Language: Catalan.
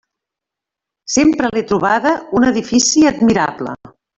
Sempre l'he trobada un edifici admirable.